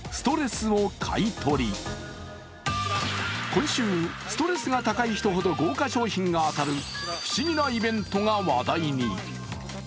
今週、ストレスが高い人ほど豪華賞品が当たる不思議なイベントが話題に。